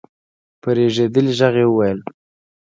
په رېږدېدلې غږ يې وويل: